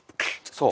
そう。